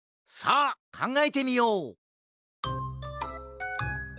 さあかんがえてみよう！